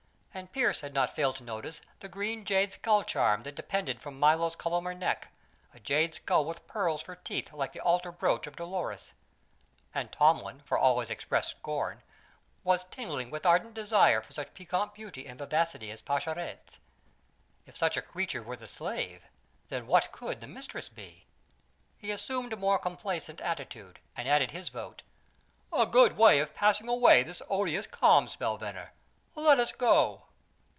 And Pearse had not failed to notice the green jade skull charm that depended from Milo's columnar neck, a jade skull with pearls for teeth like the altar brooch of Dolores. And Tomlin, for all his expressed scorn, was tingling with ardent desire for such piquant beauty and vivacity as Pascherette's. If such a creature were the slave, then what could the mistress be? He assumed a more complaisant attitude, and added his vote: "A good way of passing away this odious calm spell, Venner. Let us go."